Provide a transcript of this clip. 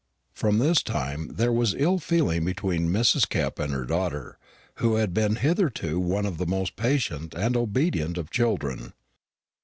From this time there was ill feeling between Mrs. Kepp and her daughter, who had been hitherto one of the most patient and obedient of children.